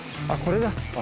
あっこれ。